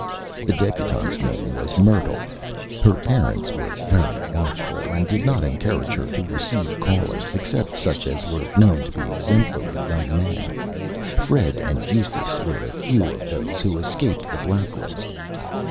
The Debutante's name was Myrtle. Her Parents were very Watchful, and did not encourage her to receive Callers, except such as were known to be Exemplary Young Men. Fred and Eustace were a few of those who escaped the Black List.